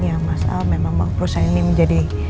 yang mas al memang membuat perusahaan ini menjadi